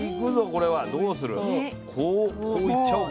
こうこういっちゃおうか。